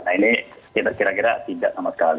nah ini kita kira kira tidak sama sekali